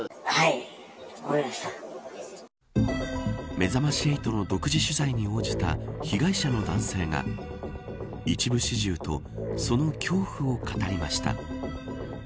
めざまし８の独自取材に応じた被害者の男性が一部始終とその恐怖を語りました。